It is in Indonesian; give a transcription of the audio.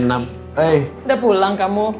udah pulang kamu